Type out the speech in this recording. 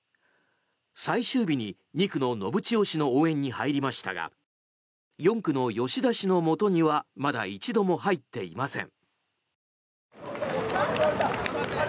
最終日に２区の信千世氏の応援に入りましたが４区の吉田氏のもとにはまだ一度も入っていません。